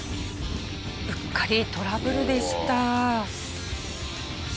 うっかりトラブルでした。